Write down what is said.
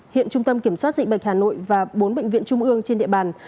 hiện trung tâm kiểm soát dịch bệnh hà nội và bốn bệnh viện trung ương trên địa bàn